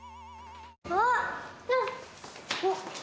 あっ！